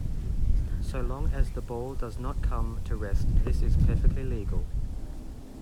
So long as the ball does not come to rest this is perfectly legal.